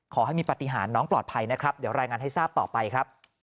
ขอให้มีปฏิหารน้องปลอดภัยนะครับเดี๋ยวรายงานให้ทราบต่อไปครับ